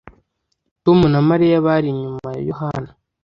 Tom na Mariya bari inyuma ya Yohana